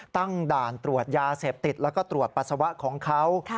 ตั้งด่านตรวจยาเสพติดแล้วก็ตรวจปัสสาวะของเขา